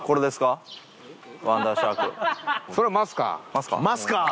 それはマスカー。